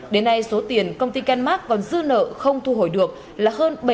đến nay số tiền công ty kenmark còn dư nợ không thu hồi được là hơn